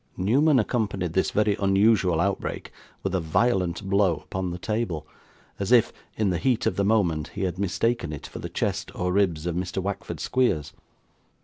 Newman accompanied this very unusual outbreak with a violent blow upon the table, as if, in the heat of the moment, he had mistaken it for the chest or ribs of Mr. Wackford Squeers.